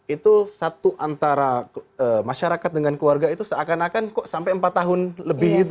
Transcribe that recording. itu satu antara masyarakat dengan keluarga itu seakan akan kok sampai empat tahun lebih